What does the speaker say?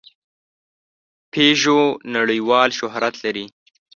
پيژو نړۍوال شهرت لري.